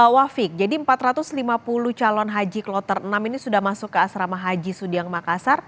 wafik jadi empat ratus lima puluh calon haji kloter enam ini sudah masuk ke asrama haji sudiang makassar